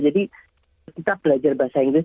jadi kita belajar bahasa inggris